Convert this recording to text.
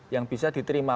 yang bisa diterima